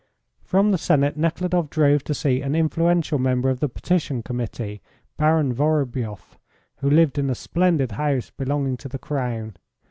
From the Senate Nekhludoff drove to see an influential member of the petition Committee, Baron Vorobioff, who lived in a splendid house belonging to the Crown.